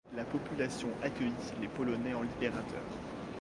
La population accueillit les Polonais en libérateurs.